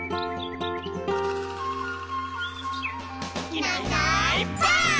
「いないいないばあっ！」